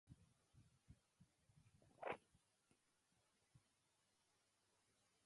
My lawyer says that I can sue my employer on the grounds of discrimination.